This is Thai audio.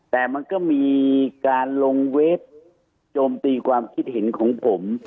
แต่มันก็มีการลงเว็บโจมตีความคิดเห็นของผม